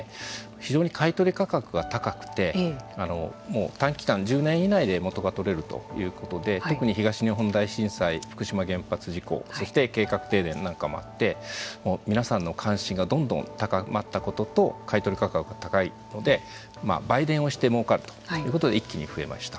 非常に買い取り価格が高くて短期間１０年以内で元が取れるということで特に東日本大震災福島原発事故そして計画停電なんかもあって皆さんの関心がどんどん高まったことと買い取り価格が高いのでまあ売電をしてもうかるということで一気に増えました。